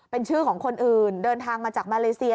เป็นชื่อของคนอื่นเดินทางมาจากมาเลเซีย